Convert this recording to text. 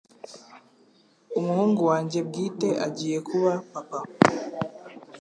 Umuhungu wanjye bwite, agiye kuba papa!